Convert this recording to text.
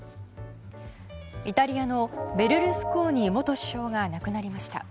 イタリアのベルルスコーニ元首相が亡くなりました。